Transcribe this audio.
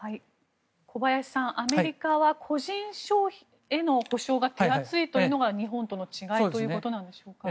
小林さん、アメリカは個人消費への補償が手厚いというのが日本との違いということなんでしょうか？